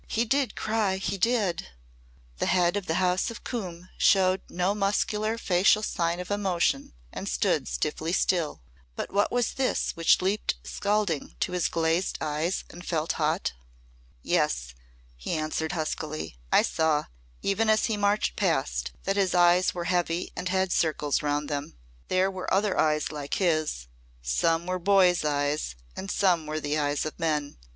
He did cry he did!" The Head of the House of Coombe showed no muscular facial sign of emotion and stood stiffly still. But what was this which leaped scalding to his glazed eyes and felt hot? "Yes," he answered huskily. "I saw even as he marched past that his eyes were heavy and had circles round them. There were other eyes like his some were boys' eyes and some were the eyes of men.